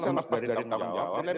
untuk bisa lemas dari tanggung jawab